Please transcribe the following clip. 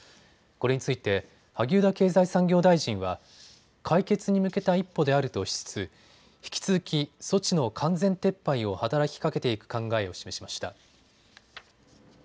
これについて萩生田経済産業大臣は解決に向けた一歩であるとしつつ引き続き措置の完全撤廃を働きかけていく考えを示しました。